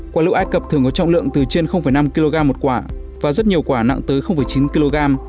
quả lự ai cập thường có trọng lượng từ trên năm kg một quả và rất nhiều quả nặng tới chín kg